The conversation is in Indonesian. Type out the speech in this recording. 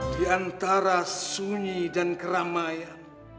di antara sunyi dan keramaian